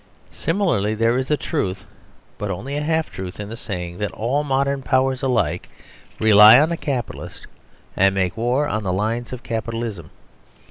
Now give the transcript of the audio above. Similarly, there is a truth, but only a half truth, in the saying that all modern Powers alike rely on the Capitalist and make war on the lines of Capitalism.